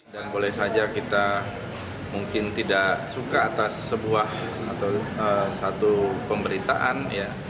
dan boleh saja kita mungkin tidak suka atas sebuah atau satu pemberitaan ya